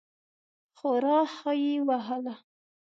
خورا ښه یې وهله.